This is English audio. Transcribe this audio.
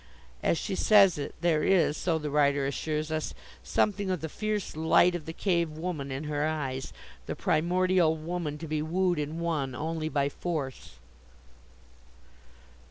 As she says it there is, so the writer assures us, something of the fierce light of the cave woman in her eyes, the primordial woman to be wooed and won only by force.